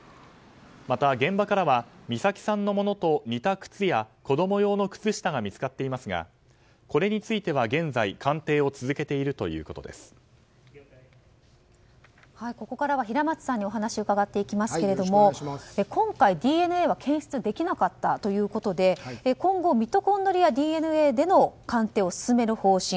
また、現場からは美咲さんのものと似た靴や子供用の靴下が見つかっていますがこれについては現在、鑑定をここからは平松さんにお話を伺っていきますけど今回、ＤＮＡは検出できなかったということで今後、ミトコンドリアＤＮＡでの鑑定を進める方針。